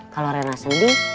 kalau rena sedih